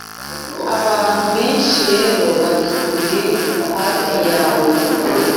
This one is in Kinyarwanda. abantu benshi rero batuye hafi yawe,